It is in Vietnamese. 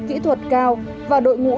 kỹ thuật cao và đội ngũ